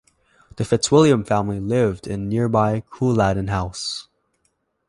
The Fiztwilliam family lived in nearby Coolattin House.